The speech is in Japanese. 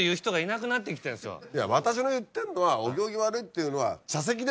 私の言ってんのはお行儀悪いっていうのは。